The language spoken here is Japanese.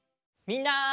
みんな！